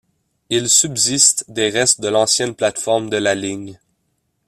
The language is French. Il subsiste des restes de l'ancienne plateforme de la ligne.